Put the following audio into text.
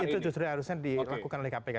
itu justru harusnya dilakukan oleh kpk